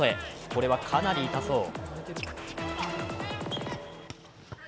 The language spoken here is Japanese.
これはかなり痛そう。